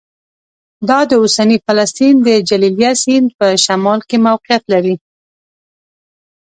دا د اوسني فلسطین د جلیلیه سیند په شمال کې موقعیت لري